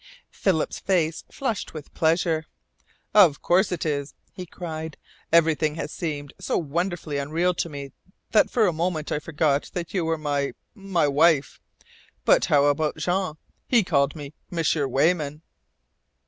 Philip's face flushed with pleasure. "Of course it is," he cried. "Everything has seemed so wonderfully unreal to me that for a moment I forgot that you were my my wife. But how about Jean? He called me M'sieur Weyman."